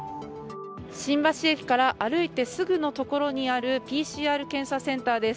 新橋駅から歩いてすぐのところにあるＰＣＲ検査センターです。